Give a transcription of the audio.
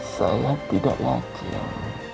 saya tidak yakin